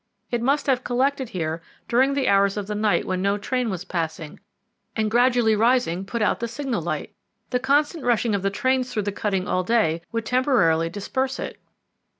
It must have collected here during the hours of the night when no train was passing, and gradually rising put out the signal light. The constant rushing of the trains through the cutting all day would temporarily disperse it."